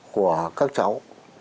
của các cháu